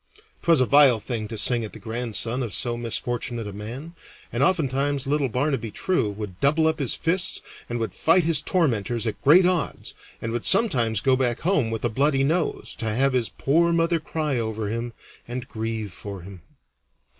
'Twas a vile thing to sing at the grandson of so misfortunate a man, and oftentimes little Barnaby True would double up his fists and would fight his tormentors at great odds, and would sometimes go back home with a bloody nose to have his poor mother cry over him and grieve for him.